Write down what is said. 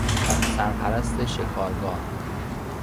سرپرست شکارگاه